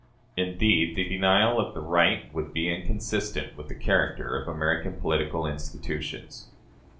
Indeed, the denial of the right would be inconsistent with the character of American political institutions.